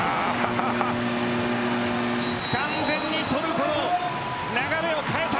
完全にトルコの流れを変えた。